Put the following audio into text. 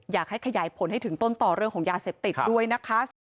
อยากให้ขยายผลให้ถึงต้นต่อเรื่องของยาเสพติดด้วยนะคะ